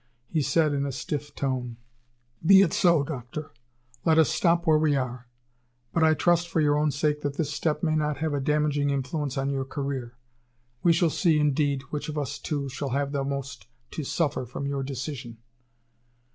He said in a stiff tone: "Be it so, doctor. Let us stop where we are. But I trust for your own sake that this step may not have a damaging influence on your career. We shall see, indeed, which of us two shall have the most to suffer from your decision."